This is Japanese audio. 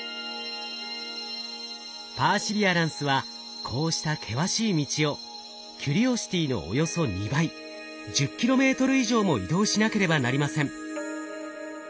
パーシビアランスはこうした険しい道をキュリオシティのおよそ２倍１０ｋｍ以上も移動しなければなりません。